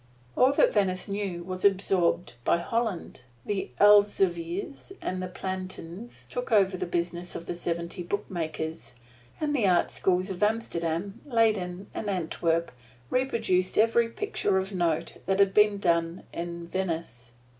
All that Venice knew was absorbed by Holland. The Elzevirs and the Plantins took over the business of the seventy bookmakers, and the art schools of Amsterdam, Leyden and Antwerp reproduced every picture of note that had been done in Venice.